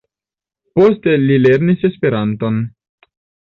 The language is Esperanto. Poste li lernis Esperanton.